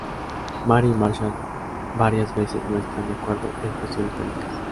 Mary y Marshall varias veces no están de acuerdo en cuestiones políticas.